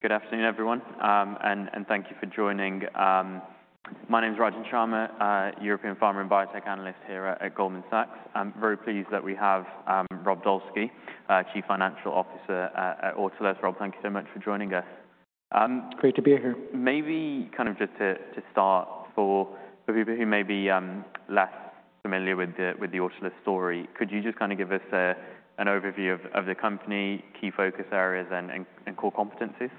Good afternoon, everyone, and thank you for joining. My name is Rajan Sharma, European pharma and biotech analyst here at Goldman Sachs. I'm very pleased that we have Rob Dolski, Chief Financial Officer at Autolus. Rob, thank you so much for joining us. Great to be here. Maybe kind of just to start, for people who may be less familiar with the Autolus story, could you just kind of give us an overview of the company, key focus areas, and core competencies?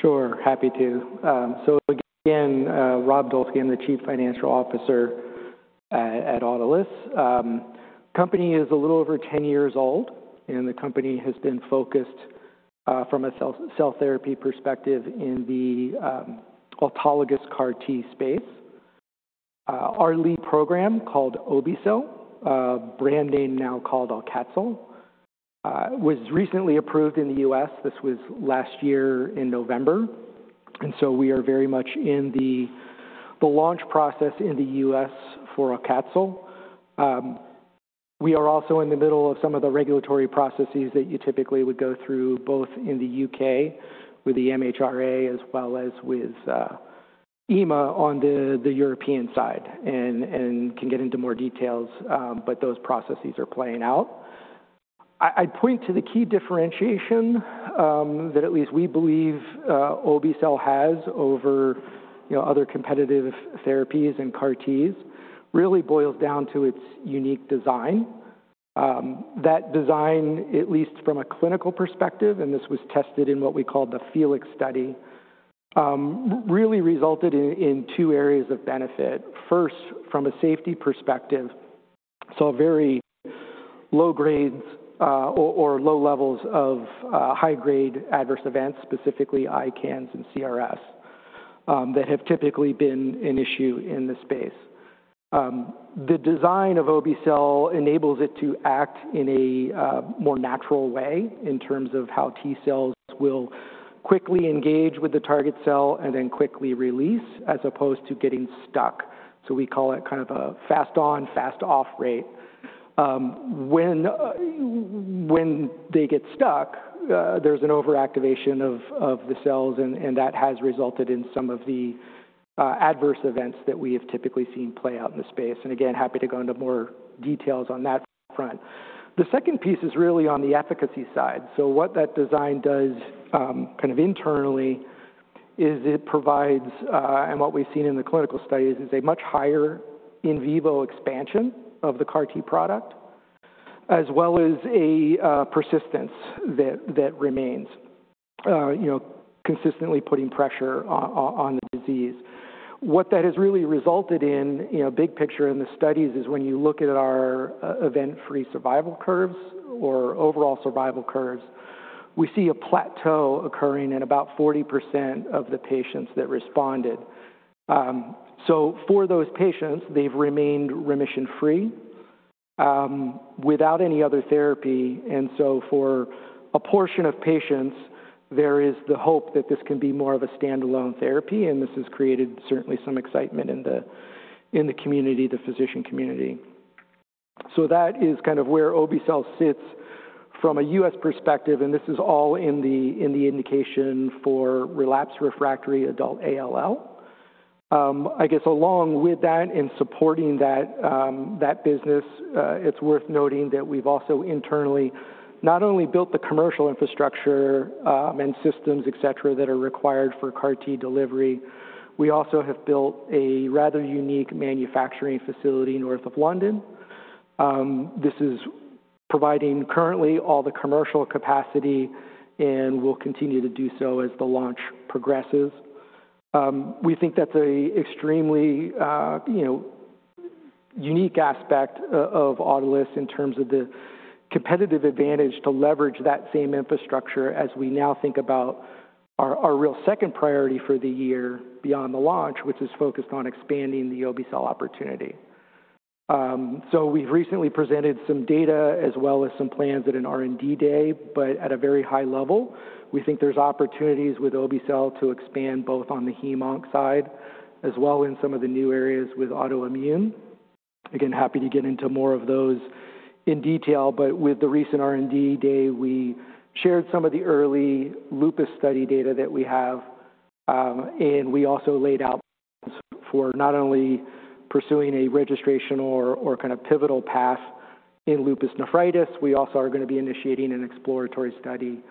Sure, happy to. So again, Rob Dolski, I'm the Chief Financial Officer at Autolus. The company is a little over 10 years old, and the company has been focused, from a cell therapy perspective, in the autologous CAR-T space. Our lead program, called Obe-cel, brand name now called AUCATZYL, was recently approved in the U.S. This was last year in November. We are very much in the launch process in the U.S. for AUCATZYL. We are also in the middle of some of the regulatory processes that you typically would go through, both in the U.K. with the MHRA, as well as with EMA on the European side, and can get into more details about those processes playing out. I'd point to the key differentiation that at least we believe Obe-cel has over other competitive therapies and CAR-Ts really boils down to its unique design. That design, at least from a clinical perspective, and this was tested in what we called the FELIX study, really resulted in two areas of benefit. First, from a safety perspective, so very low grades or low levels of high-grade adverse events, specifically ICANS and CRS, that have typically been an issue in the space. The design of Obe-cel enables it to act in a more natural way in terms of how T cells will quickly engage with the target cell and then quickly release, as opposed to getting stuck. We call it kind of a fast on, fast off rate. When they get stuck, there is an overactivation of the cells, and that has resulted in some of the adverse events that we have typically seen play out in the space. Again, happy to go into more details on that front. The second piece is really on the efficacy side. What that design does kind of internally is it provides, and what we've seen in the clinical studies is a much higher in vivo expansion of the CAR-T product, as well as a persistence that remains, consistently putting pressure on the disease. What that has really resulted in, big picture in the studies, is when you look at our event-free survival curves or overall survival curves, we see a plateau occurring in about 40% of the patients that responded. For those patients, they've remained remission-free without any other therapy. For a portion of patients, there is the hope that this can be more of a standalone therapy, and this has created certainly some excitement in the community, the physician community. That is kind of where Obe-cel sits from a U.S. perspective, and this is all in the indication for relapsed refractory adult ALL. I guess along with that and supporting that business, it's worth noting that we've also internally not only built the commercial infrastructure and systems, etc., that are required for CAR-T delivery, we also have built a rather unique manufacturing facility north of London. This is providing currently all the commercial capacity and will continue to do so as the launch progresses. We think that's an extremely unique aspect of Autolus in terms of the competitive advantage to leverage that same infrastructure as we now think about our real second priority for the year beyond the launch, which is focused on expanding the Obe-cel opportunity. We've recently presented some data as well as some plans at an R&D day, but at a very high level, we think there's opportunities with Obe-cel to expand both on the heme-onc side as well as in some of the new areas with autoimmune. Again, happy to get into more of those in detail, but with the recent R&D day, we shared some of the early lupus study data that we have, and we also laid out plans for not only pursuing a registration or kind of pivotal path in lupus nephritis, we also are going to be initiating an exploratory study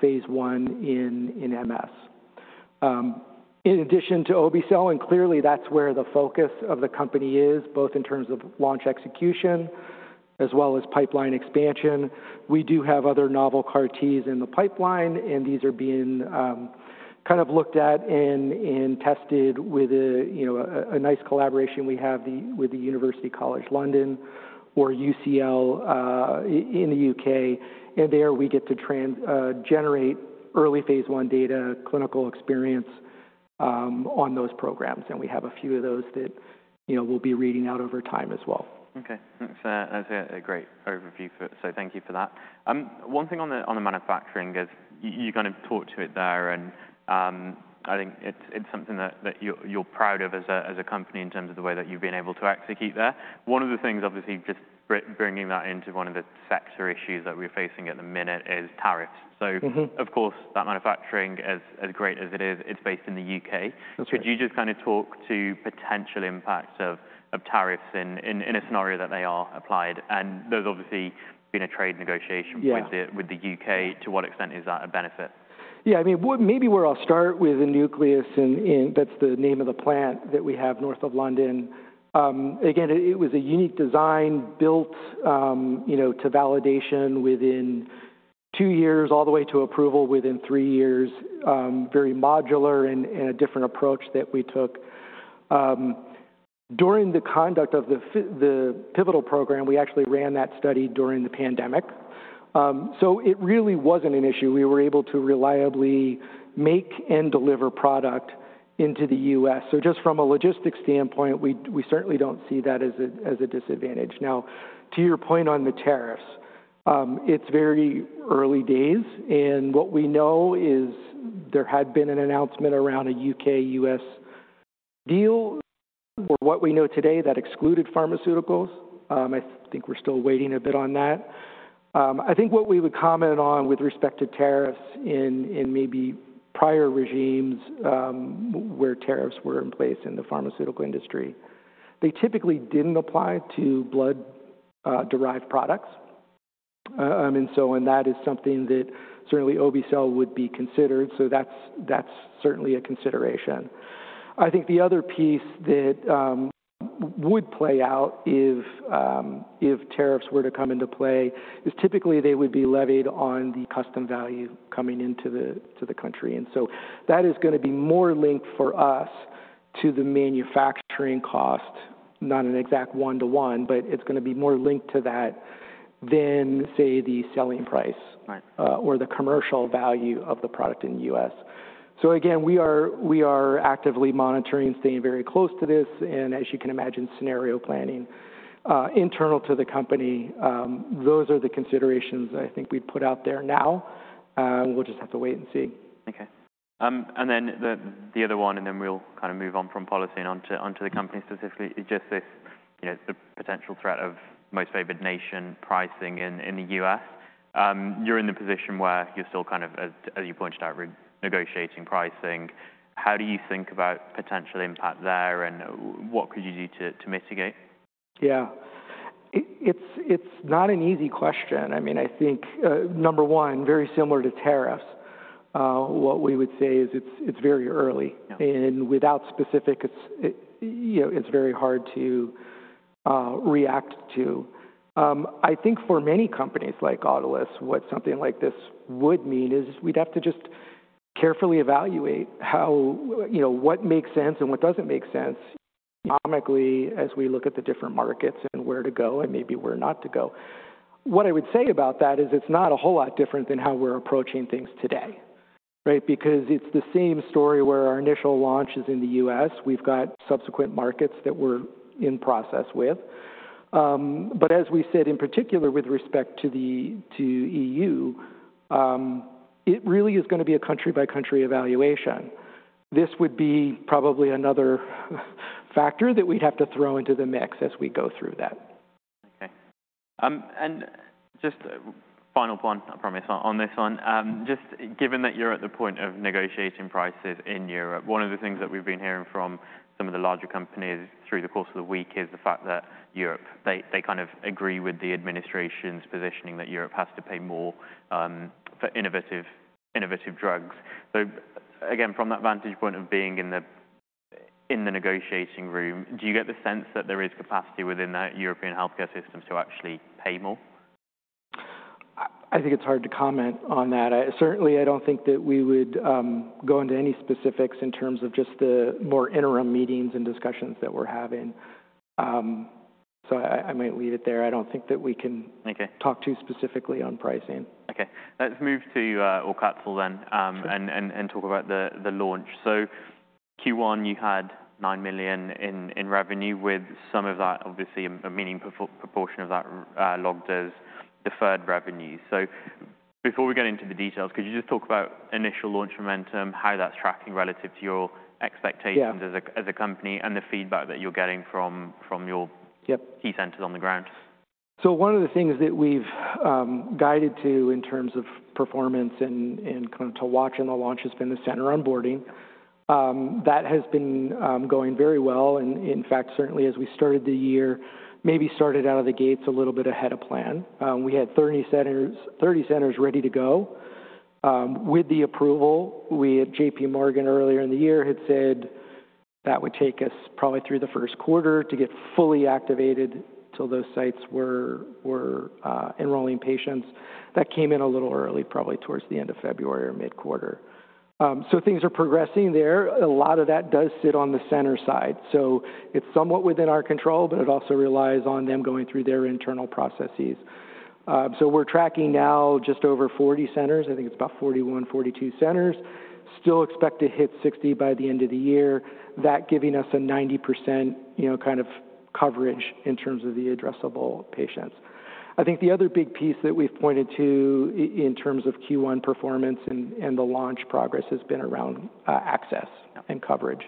phase I in MS. In addition to Obe-cel, and clearly that's where the focus of the company is, both in terms of launch execution as well as pipeline expansion, we do have other novel CAR-Ts in the pipeline, and these are being kind of looked at and tested with a nice collaboration we have with the University College London or UCL in the U.K. There we get to generate early phase I data clinical experience on those programs, and we have a few of those that we'll be reading out over time as well. Okay, that's a great overview, so thank you for that. One thing on the manufacturing is you kind of talked to it there, and I think it's something that you're proud of as a company in terms of the way that you've been able to execute there. One of the things, obviously, just bringing that into one of the sector issues that we're facing at the minute is tariffs. Of course, that manufacturing, as great as it is, it's based in the U.K. Could you just kind of talk to potential impacts of tariffs in a scenario that they are applied? There's obviously been a trade negotiation with the U.K. To what extent is that a benefit? Yeah, I mean, maybe where I'll start with the Nucleus, and that's the name of the plant that we have north of London. Again, it was a unique design built to validation within two years, all the way to approval within three years, very modular and a different approach that we took. During the conduct of the pivotal program, we actually ran that study during the pandemic. It really wasn't an issue. We were able to reliably make and deliver product into the U.S. Just from a logistics standpoint, we certainly don't see that as a disadvantage. Now, to your point on the tariffs, it's very early days, and what we know is there had been an announcement around a U.K.-U.S. deal or what we know today that excluded pharmaceuticals. I think we're still waiting a bit on that. I think what we would comment on with respect to tariffs in maybe prior regimes where tariffs were in place in the pharmaceutical industry, they typically did not apply to blood-derived products. That is something that certainly Obe-cel would be considered, so that is certainly a consideration. I think the other piece that would play out if tariffs were to come into play is typically they would be levied on the custom value coming into the country. That is going to be more linked for us to the manufacturing cost, not an exact one-to-one, but it is going to be more linked to that than, say, the selling price or the commercial value of the product in the U.S. Again, we are actively monitoring, staying very close to this, and as you can imagine, scenario planning internal to the company, those are the considerations I think we'd put out there now. We'll just have to wait and see. Okay. And then the other one, and then we'll kind of move on from policy and onto the company specifically, is just the potential threat of most favored nation pricing in the U.S. You're in the position where you're still kind of, as you pointed out, negotiating pricing. How do you think about potential impact there, and what could you do to mitigate? Yeah, it's not an easy question. I mean, I think number one, very similar to tariffs, what we would say is it's very early, and without specifics, it's very hard to react to. I think for many companies like Autolus, what something like this would mean is we'd have to just carefully evaluate what makes sense and what doesn't make sense economically as we look at the different markets and where to go and maybe where not to go. What I would say about that is it's not a whole lot different than how we're approaching things today, right? Because it's the same story where our initial launch is in the U.S. We've got subsequent markets that we're in process with. As we said, in particular with respect to the EU, it really is going to be a country-by-country evaluation. This would be probably another factor that we'd have to throw into the mix as we go through that. Okay. Just final point, I promise, on this one. Just given that you're at the point of negotiating prices in Europe, one of the things that we've been hearing from some of the larger companies through the course of the week is the fact that Europe, they kind of agree with the administration's positioning that Europe has to pay more for innovative drugs. Again, from that vantage point of being in the negotiating room, do you get the sense that there is capacity within that European healthcare system to actually pay more? I think it's hard to comment on that. Certainly, I don't think that we would go into any specifics in terms of just the more interim meetings and discussions that we're having. I might leave it there. I don't think that we can talk too specifically on pricing. Okay. Let's move to AUCATZYL then and talk about the launch. Q1, you had $9 million in revenue, with some of that, obviously, a meaningful proportion of that logged as deferred revenue. Before we get into the details, could you just talk about initial launch momentum, how that's tracking relative to your expectations as a company, and the feedback that you're getting from your key centers on the ground? One of the things that we've guided to in terms of performance and kind of to watch in the launch has been the center onboarding. That has been going very well. In fact, certainly as we started the year, maybe started out of the gates a little bit ahead of plan. We had 30 centers ready to go. With the approval, J.P. Morgan earlier in the year had said that would take us probably through the first quarter to get fully activated till those sites were enrolling patients. That came in a little early, probably towards the end of February or mid-quarter. Things are progressing there. A lot of that does sit on the center side. It is somewhat within our control, but it also relies on them going through their internal processes. We're tracking now just over 40 centers. I think it's about 41, 42 centers. Still expect to hit 60 by the end of the year, that giving us a 90% kind of coverage in terms of the addressable patients. I think the other big piece that we've pointed to in terms of Q1 performance and the launch progress has been around access and coverage.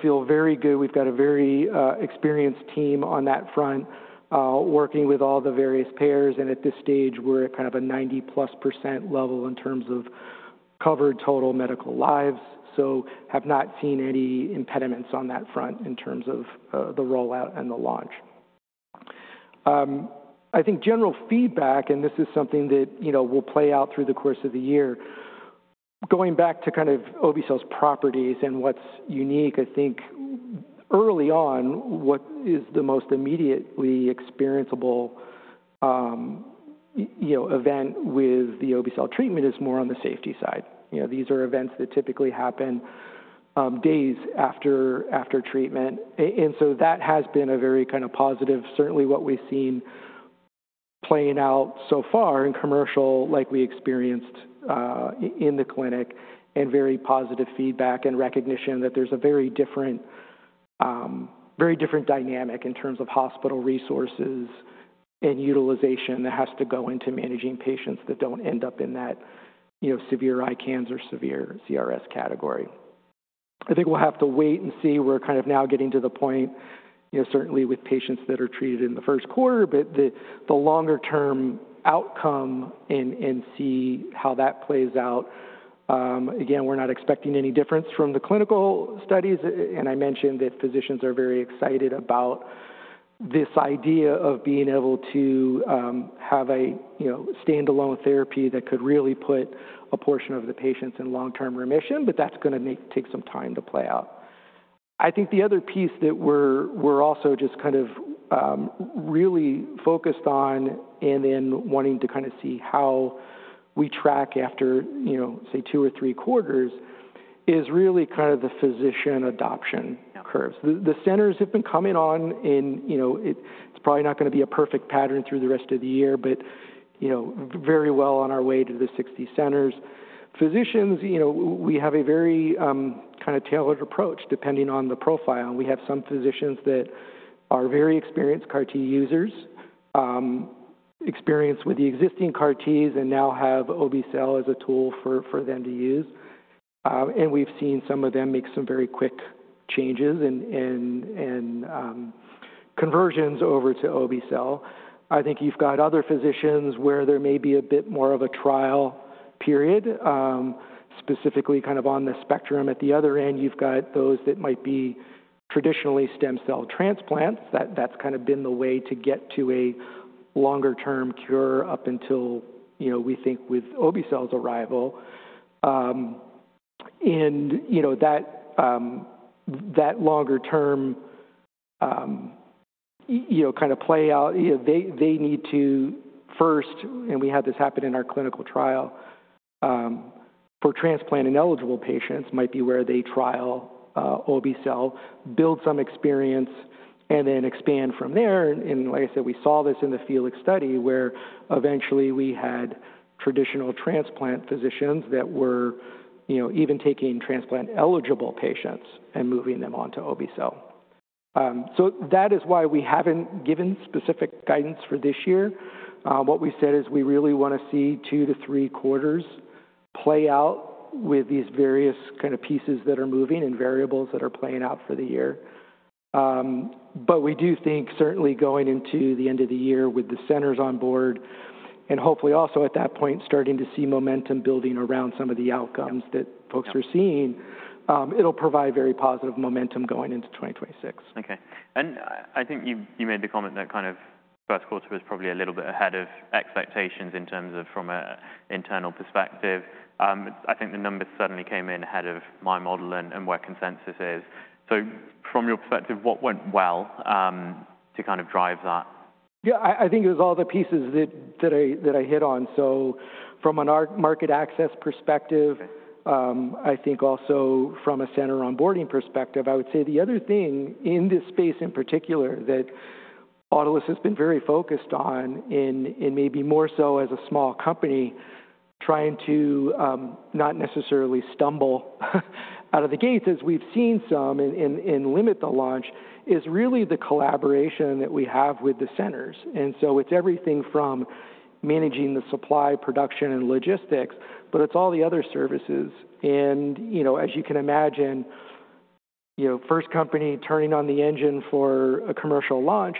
Feel very good. We've got a very experienced team on that front working with all the various payers. At this stage, we're at kind of a 90+% level in terms of covered total medical lives. Have not seen any impediments on that front in terms of the rollout and the launch. I think general feedback, and this is something that will play out through the course of the year, going back to kind of Obe-cel's properties and what's unique, I think early on, what is the most immediately experienceable event with the Obe-cel treatment is more on the safety side. These are events that typically happen days after treatment. That has been a very kind of positive, certainly what we've seen playing out so far in commercial, like we experienced in the clinic, and very positive feedback and recognition that there's a very different dynamic in terms of hospital resources and utilization that has to go into managing patients that do not end up in that severe ICANS, severe CRS category. I think we'll have to wait and see. We're kind of now getting to the point, certainly with patients that are treated in the first quarter, but the longer-term outcome and see how that plays out. Again, we're not expecting any difference from the clinical studies. I mentioned that physicians are very excited about this idea of being able to have a standalone therapy that could really put a portion of the patients in long-term remission, but that's going to take some time to play out. I think the other piece that we're also just kind of really focused on and then wanting to kind of see how we track after, say, two or three quarters is really kind of the physician adoption curves. The centers have been coming on, and it's probably not going to be a perfect pattern through the rest of the year, but very well on our way to the 60 centers. Physicians, we have a very kind of tailored approach depending on the profile. We have some physicians that are very experienced CAR-T users, experienced with the existing CAR-Ts and now have Obe-cel as a tool for them to use. We've seen some of them make some very quick changes and conversions over to Obe-cel. I think you've got other physicians where there may be a bit more of a trial period, specifically kind of on the spectrum. At the other end, you've got those that might be traditionally stem cell transplants. That's kind of been the way to get to a longer-term cure up until we think with Obe-cel's arrival. That longer-term kind of play out, they need to first, and we had this happen in our clinical trial for transplant-ineligible patients, might be where they trial Obe-cel, build some experience, and then expand from there. Like I said, we saw this in the FELIX study where eventually we had traditional transplant physicians that were even taking transplant-eligible patients and moving them on to Obe-cel. That is why we have not given specific guidance for this year. What we said is we really want to see two to three quarters play out with these various kind of pieces that are moving and variables that are playing out for the year. We do think certainly going into the end of the year with the centers on board and hopefully also at that point starting to see momentum building around some of the outcomes that folks are seeing, it will provide very positive momentum going into 2026. Okay. I think you made the comment that kind of first quarter was probably a little bit ahead of expectations in terms of from an internal perspective. I think the numbers suddenly came in ahead of my model and where consensus is. From your perspective, what went well to kind of drive that? Yeah, I think it was all the pieces that I hit on. From a market access perspective, I think also from a center onboarding perspective, I would say the other thing in this space in particular that Autolus has been very focused on, and maybe more so as a small company trying to not necessarily stumble out of the gates as we've seen some and limit the launch, is really the collaboration that we have with the centers. It is everything from managing the supply, production, and logistics, but it is all the other services. As you can imagine, first company turning on the engine for a commercial launch,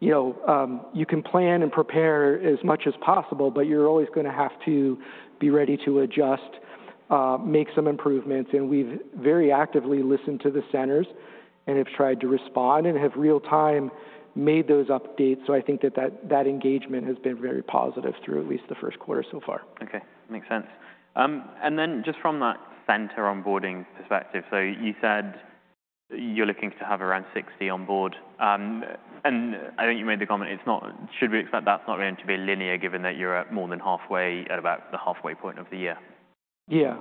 you can plan and prepare as much as possible, but you're always going to have to be ready to adjust, make some improvements. We have very actively listened to the centers and have tried to respond and have real-time made those updates. I think that that engagement has been very positive through at least the first quarter so far. Okay. Makes sense. And then just from that center onboarding perspective, you said you're looking to have around 60 on board. I think you made the comment, should we expect that's not going to be linear given that you're at more than halfway at about the halfway point of the year? Yeah.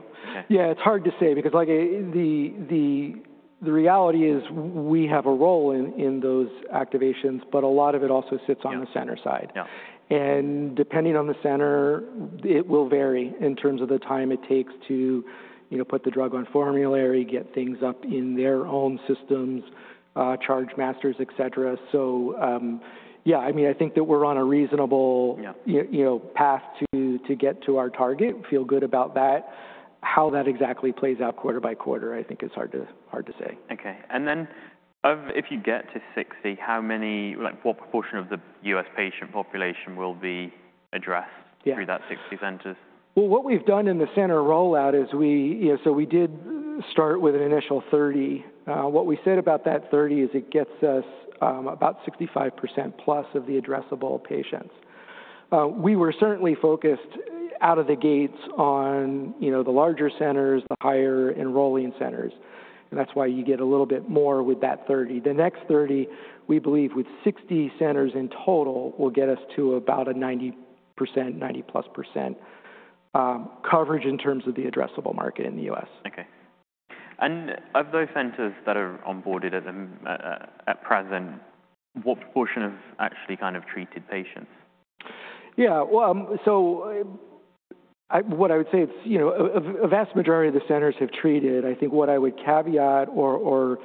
Yeah, it's hard to say because the reality is we have a role in those activations, but a lot of it also sits on the center side. Depending on the center, it will vary in terms of the time it takes to put the drug on formulary, get things up in their own systems, charge masters, etc. Yeah, I mean, I think that we're on a reasonable path to get to our target, feel good about that. How that exactly plays out quarter by quarter, I think it's hard to say. Okay. If you get to 60, what proportion of the U.S. patient population will be addressed through that 60 centers? What we have done in the center rollout is we did start with an initial 30. What we said about that 30 is it gets us about 65%+ of the addressable patients. We were certainly focused out of the gates on the larger centers, the higher enrolling centers. That is why you get a little bit more with that 30. The next 30, we believe with 60 centers in total will get us to about a 90%, 90+% coverage in terms of the addressable market in the U.S. Okay. Of those centers that are onboarded at present, what proportion have actually kind of treated patients? Yeah. What I would say, a vast majority of the centers have treated. I think what I would caveat or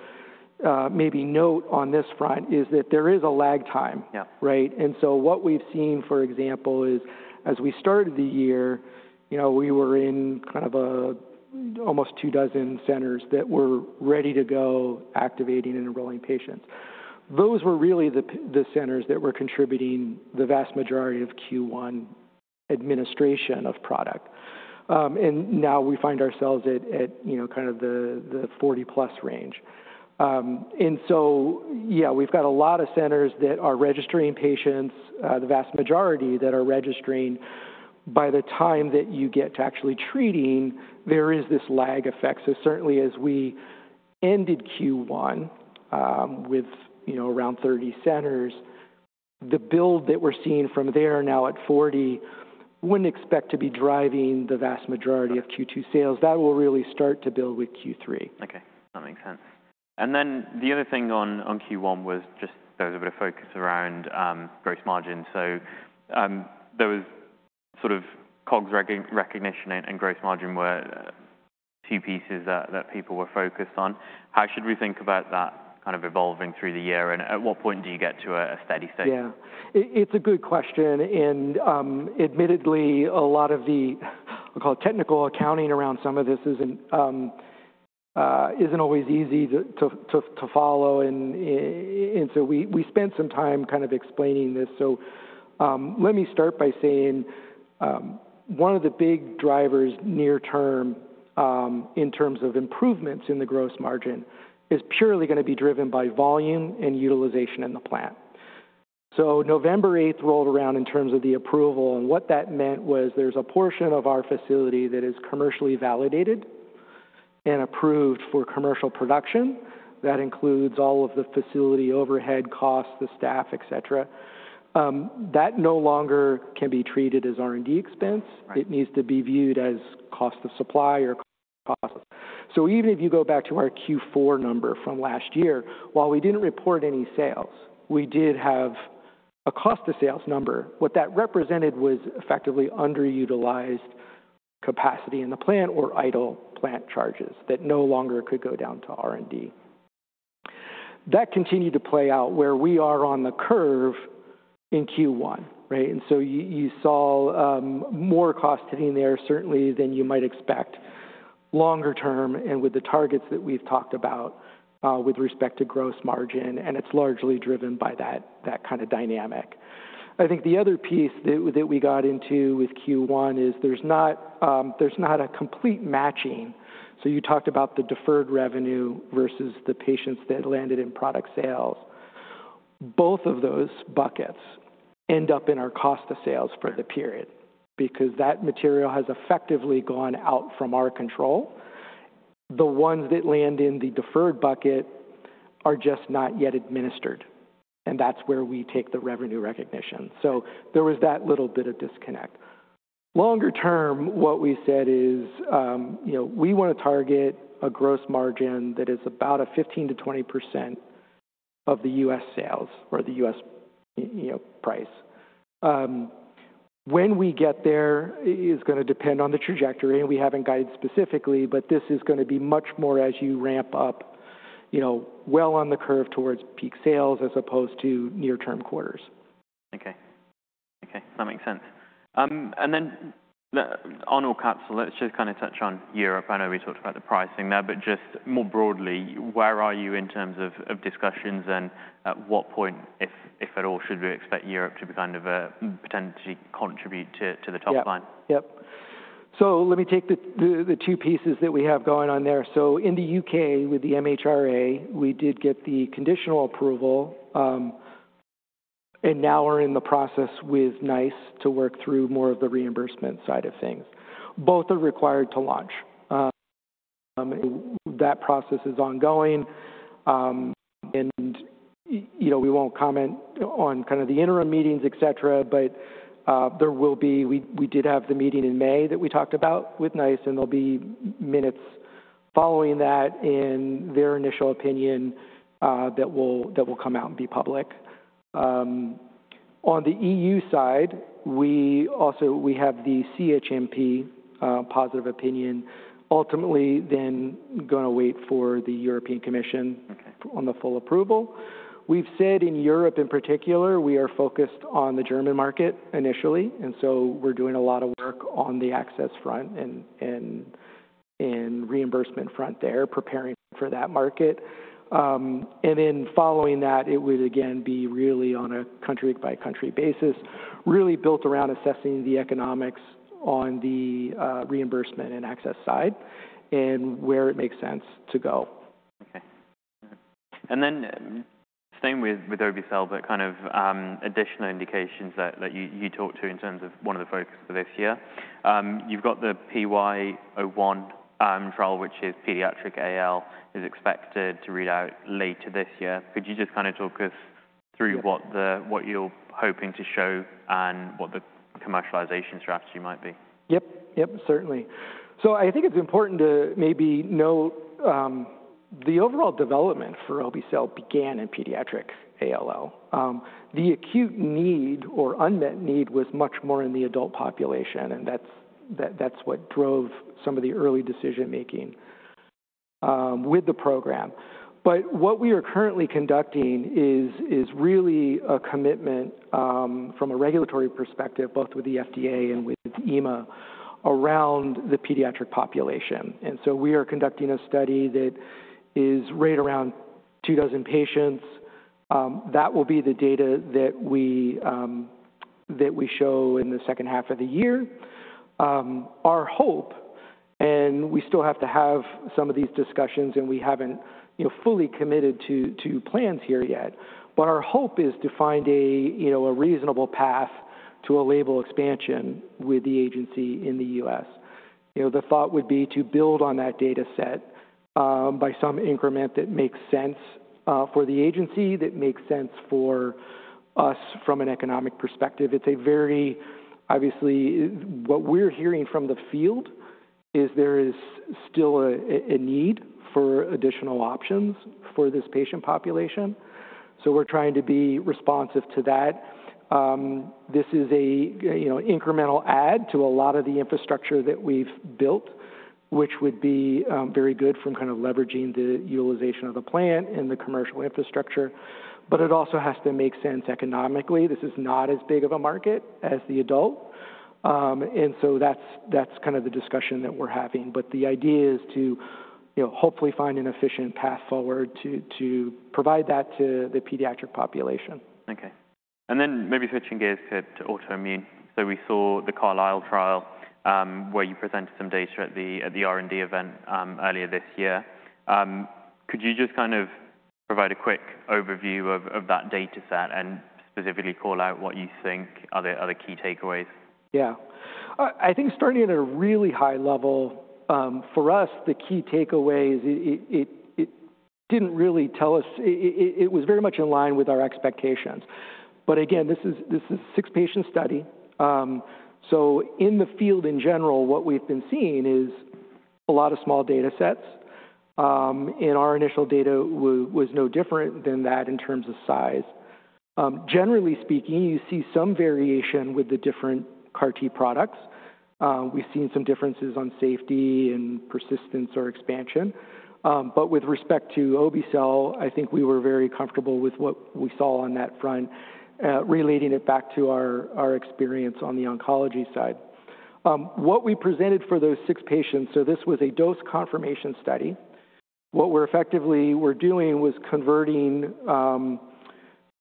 maybe note on this front is that there is a lag time, right? What we've seen, for example, is as we started the year, we were in kind of almost two dozen centers that were ready to go activating and enrolling patients. Those were really the centers that were contributing the vast majority of Q1 administration of product. Now we find ourselves at kind of the 40-plus range. Yeah, we've got a lot of centers that are registering patients, the vast majority that are registering. By the time that you get to actually treating, there is this lag effect. Certainly as we ended Q1 with around 30 centers, the build that we're seeing from there now at 40, wouldn't expect to be driving the vast majority of Q2 sales. That will really start to build with Q3. Okay. That makes sense. The other thing on Q1 was just there was a bit of focus around gross margin. There was sort of COGS recognition and gross margin were two pieces that people were focused on. How should we think about that kind of evolving through the year? At what point do you get to a steady state? Yeah. It's a good question. And admittedly, a lot of the, I'll call it technical accounting around some of this isn't always easy to follow. We spent some time kind of explaining this. Let me start by saying one of the big drivers near-term in terms of improvements in the gross margin is purely going to be driven by volume and utilization in the plant. November 8th rolled around in terms of the approval. What that meant was there's a portion of our facility that is commercially validated and approved for commercial production. That includes all of the facility overhead costs, the staff, etc. That no longer can be treated as R&D expense. It needs to be viewed as cost of supply or cost. Even if you go back to our Q4 number from last year, while we did not report any sales, we did have a cost of sales number. What that represented was effectively underutilized capacity in the plant or idle plant charges that no longer could go down to R&D. That continued to play out where we are on the curve in Q1, right? You saw more cost hitting there certainly than you might expect longer term and with the targets that we have talked about with respect to gross margin. It is largely driven by that kind of dynamic. I think the other piece that we got into with Q1 is there is not a complete matching. You talked about the deferred revenue versus the patients that landed in product sales. Both of those buckets end up in our cost of sales for the period because that material has effectively gone out from our control. The ones that land in the deferred bucket are just not yet administered. That is where we take the revenue recognition. There was that little bit of disconnect. Longer term, what we said is we want to target a gross margin that is about a 15%-20% of the U.S. sales or the U.S. price. When we get there is going to depend on the trajectory. We have not guided specifically, but this is going to be much more as you ramp up well on the curve towards peak sales as opposed to near-term quarters. Okay. Okay. That makes sense. On AUCATZYL, let's just kind of touch on Europe. I know we talked about the pricing there, but just more broadly, where are you in terms of discussions and at what point, if at all, should we expect Europe to kind of potentially contribute to the top line? Yeah. Yep. Let me take the two pieces that we have going on there. In the U.K. with the MHRA, we did get the conditional approval. Now we're in the process with NICE to work through more of the reimbursement side of things. Both are required to launch. That process is ongoing. We won't comment on kind of the interim meetings, etc., but we did have the meeting in May that we talked about with NICE, and there will be minutes following that and their initial opinion that will come out and be public. On the EU side, we have the CHMP positive opinion. Ultimately, then going to wait for the European Commission on the full approval. We've said in Europe in particular, we are focused on the German market initially. We're doing a lot of work on the access front and reimbursement front there, preparing for that market. Following that, it would again be really on a country-by-country basis, really built around assessing the economics on the reimbursement and access side and where it makes sense to go. Okay. And then same with Obe-cel, but kind of additional indications that you talked to in terms of one of the focus for this year. You've got the PY01 trial, which is pediatric ALL, is expected to read out later this year. Could you just kind of talk us through what you're hoping to show and what the commercialization strategy might be? Yep. Yep. Certainly. I think it's important to maybe note the overall development for Obe-cel began in pediatric ALL. The acute need or unmet need was much more in the adult population. That is what drove some of the early decision-making with the program. What we are currently conducting is really a commitment from a regulatory perspective, both with the FDA and with EMA around the pediatric population. We are conducting a study that is right around two dozen patients. That will be the data that we show in the second half of the year. Our hope, and we still have to have some of these discussions, and we haven't fully committed to plans here yet, is to find a reasonable path to a label expansion with the agency in the U.S. The thought would be to build on that data set by some increment that makes sense for the agency, that makes sense for us from an economic perspective. It's very obviously what we're hearing from the field is there is still a need for additional options for this patient population. We're trying to be responsive to that. This is an incremental add to a lot of the infrastructure that we've built, which would be very good from kind of leveraging the utilization of the plant and the commercial infrastructure. It also has to make sense economically. This is not as big of a market as the adult. That's kind of the discussion that we're having. The idea is to hopefully find an efficient path forward to provide that to the pediatric population. Okay. Maybe switching gears to autoimmune. We saw the CARLYSLE study where you presented some data at the R&D event earlier this year. Could you just kind of provide a quick overview of that data set and specifically call out what you think are the key takeaways? Yeah. I think starting at a really high level, for us, the key takeaway is it did not really tell us it was very much in line with our expectations. Again, this is a six-patient study. In the field in general, what we have been seeing is a lot of small data sets. Our initial data was no different than that in terms of size. Generally speaking, you see some variation with the different CAR-T products. We have seen some differences on safety and persistence or expansion. With respect to Obe-cel, I think we were very comfortable with what we saw on that front, relating it back to our experience on the oncology side. What we presented for those six patients, this was a dose confirmation study. What we were effectively doing was converting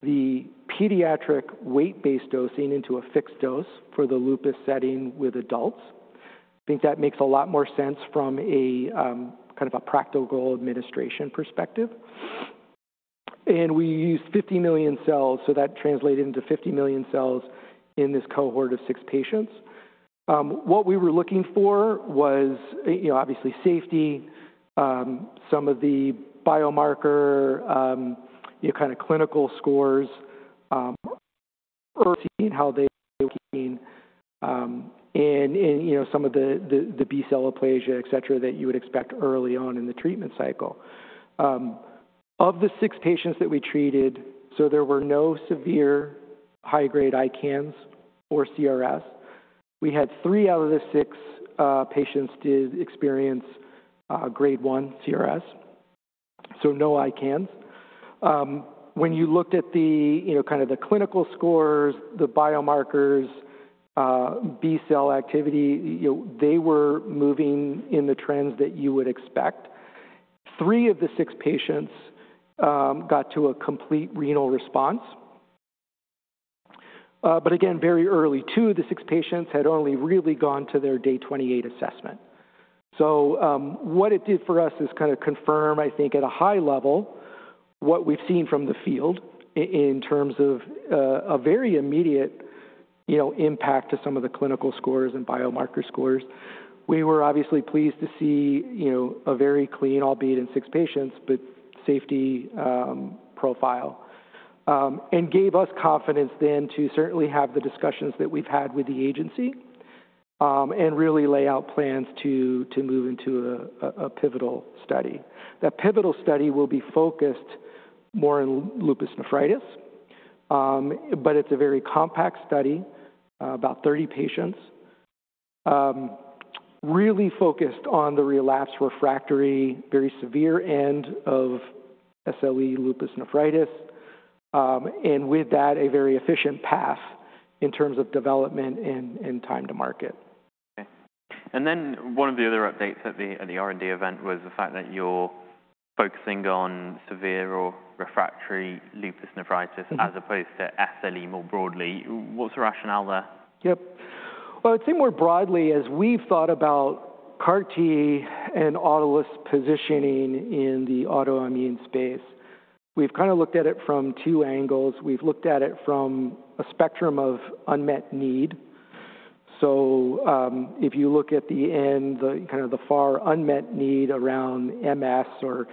the pediatric weight-based dosing into a fixed dose for the lupus setting with adults. I think that makes a lot more sense from a kind of a practical administration perspective. And we used 50 million cells. So that translated into 50 million cells in this cohort of six patients. What we were looking for was obviously safety, some of the biomarker kind of clinical scores, how they look in some of the B-cell aplasia, etc., that you would expect early on in the treatment cycle. Of the six patients that we treated, so there were no severe high-grade ICANS or CRS. We had three out of the six patients did experience grade one CRS. So no ICANS. When you looked at kind of the clinical scores, the biomarkers, B-cell activity, they were moving in the trends that you would expect. Three of the six patients got to a complete renal response. Again, very early, two of the six patients had only really gone to their day 28 assessment. What it did for us is kind of confirm, I think, at a high level what we've seen from the field in terms of a very immediate impact to some of the clinical scores and biomarker scores. We were obviously pleased to see a very clean, albeit in six patients, but safety profile and gave us confidence then to certainly have the discussions that we've had with the agency and really lay out plans to move into a pivotal study. That pivotal study will be focused more on lupus nephritis, but it's a very compact study, about 30 patients, really focused on the relapse refractory, very severe end of SLE lupus nephritis. With that, a very efficient path in terms of development and time to market. Okay. And then one of the other updates at the R&D event was the fact that you're focusing on severe or refractory lupus nephritis as opposed to SLE more broadly. What's the rationale there? Yep. I would say more broadly, as we've thought about CAR-T and Autolus positioning in the autoimmune space, we've kind of looked at it from two angles. We've looked at it from a spectrum of unmet need. If you look at the end, kind of the far unmet need around MS or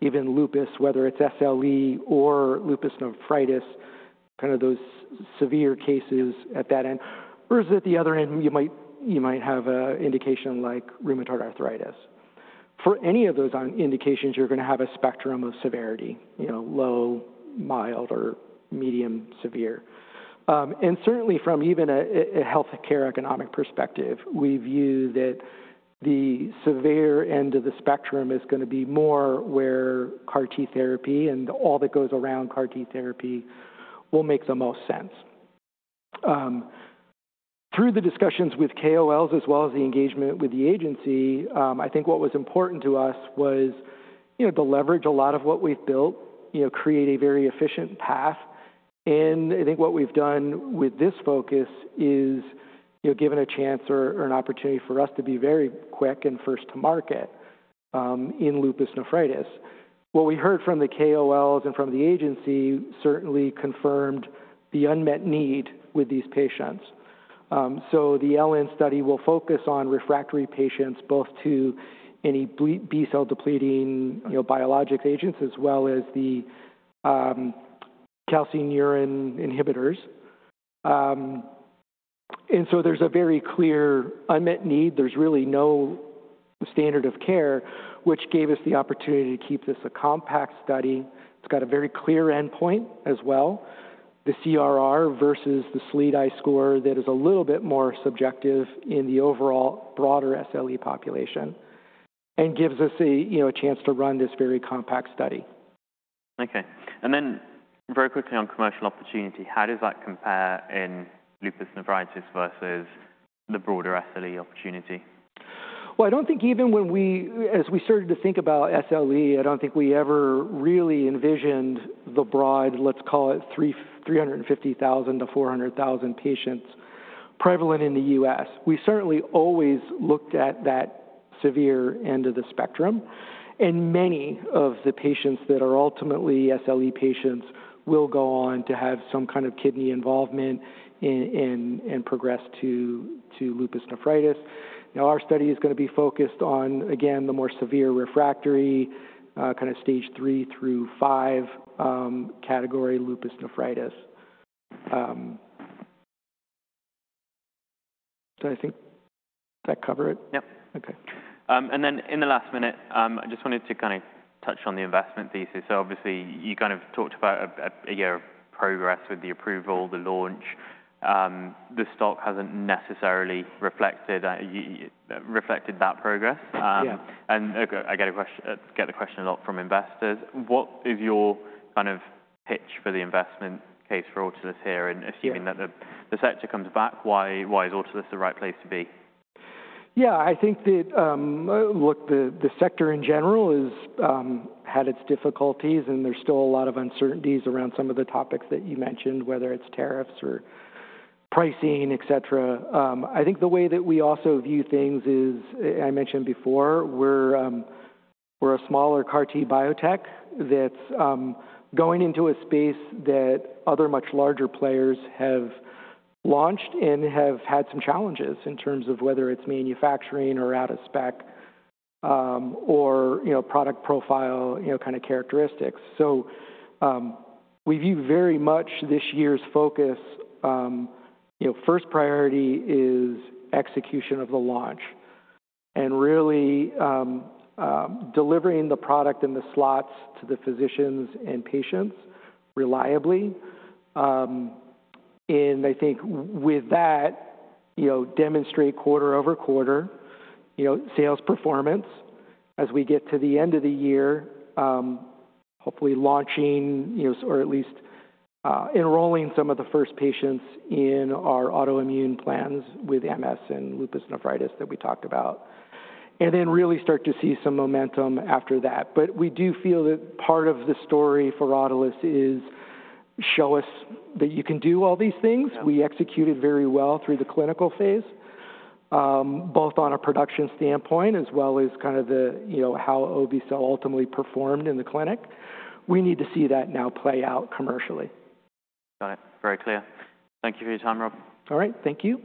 even lupus, whether it's SLE or lupus nephritis, kind of those severe cases at that end, or at the other end you might have an indication like rheumatoid arthritis. For any of those indications, you're going to have a spectrum of severity, low, mild, or medium severe. Certainly from even a healthcare economic perspective, we view that the severe end of the spectrum is going to be more where CAR-T therapy and all that goes around CAR-T therapy will make the most sense. Through the discussions with KOLs as well as the engagement with the agency, I think what was important to us was to leverage a lot of what we've built, create a very efficient path. I think what we've done with this focus is given a chance or an opportunity for us to be very quick and first to market in lupus nephritis. What we heard from the KOLs and from the agency certainly confirmed the unmet need with these patients. The LN study will focus on refractory patients, both to any B-cell depleting biologic agents as well as the calcineurin inhibitors. There is a very clear unmet need. There is really no standard of care, which gave us the opportunity to keep this a compact study. It has a very clear endpoint as well. The CRR versus the SLEDAI score, that is a little bit more subjective in the overall broader SLE population and gives us a chance to run this very compact study. Okay. Very quickly on commercial opportunity, how does that compare in lupus nephritis versus the broader SLE opportunity? I don't think even as we started to think about SLE, I don't think we ever really envisioned the broad, let's call it 350,000-400,000 patients prevalent in the U.S. We certainly always looked at that severe end of the spectrum. Many of the patients that are ultimately SLE patients will go on to have some kind of kidney involvement and progress to lupus nephritis. Now, our study is going to be focused on, again, the more severe refractory kind of stage three through five category lupus nephritis. I think does that cover it? Yep. Okay. In the last minute, I just wanted to kind of touch on the investment thesis. Obviously, you kind of talked about a year of progress with the approval, the launch. The stock has not necessarily reflected that progress. I get the question a lot from investors. What is your kind of pitch for the investment case for Autolus here? Assuming that the sector comes back, why is Autolus the right place to be? Yeah. I think that, look, the sector in general has had its difficulties, and there's still a lot of uncertainties around some of the topics that you mentioned, whether it's tariffs or pricing, etc. I think the way that we also view things is, I mentioned before, we're a smaller CAR-T biotech that's going into a space that other much larger players have launched and have had some challenges in terms of whether it's manufacturing or out of spec or product profile kind of characteristics. We view very much this year's focus, first priority is execution of the launch and really delivering the product and the slots to the physicians and patients reliably. I think with that, demonstrate quarter over quarter sales performance as we get to the end of the year, hopefully launching or at least enrolling some of the first patients in our autoimmune plans with MS and lupus nephritis that we talked about, and then really start to see some momentum after that. We do feel that part of the story for Autolus is show us that you can do all these things. We executed very well through the clinical phase, both on a production standpoint as well as kind of how Obe-cel ultimately performed in the clinic. We need to see that now play out commercially. Got it. Very clear. Thank you for your time, Rob. All right. Thank you.